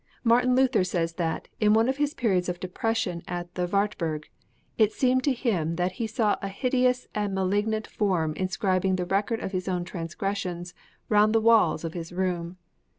Martin Luther says that, in one of his periods of depression at the Wartburg, it seemed to him that he saw a hideous and malignant form inscribing the record of his own transgressions round the walls of his room.